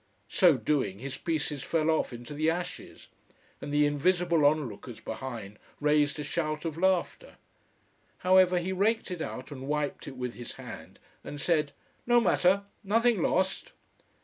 So doing his pieces fell off into the ashes, and the invisible onlookers behind raised a shout of laughter. However, he raked it out and wiped it with his hand and said No matter, nothing lost.